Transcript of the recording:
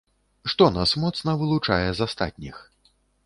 Што нас моцна вылучае з астатніх?